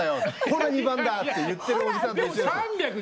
ほら２番だ」って言ってるおじさんと一緒ですよ。